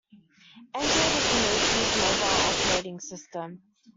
Android is the most used mobile operating system.